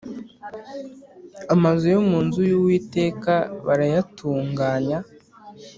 Amazu yo mu nzu y uwiteka barayatunganya